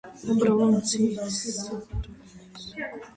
პროვინციის დედაქალაქია კარასი.